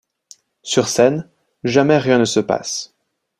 Sur scène, jamais rien ne se passe.